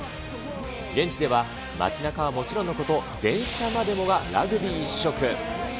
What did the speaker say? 現地では、街なかもちろんのこと、電車までもがラグビー一色。